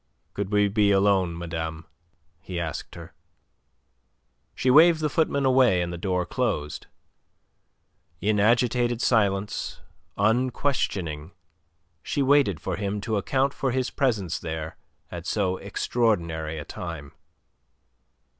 "Could we be alone, madame?" he asked her. She waved the footman away, and the door closed. In agitated silence, unquestioning, she waited for him to account for his presence there at so extraordinary a time.